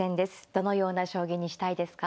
どのような将棋にしたいですか。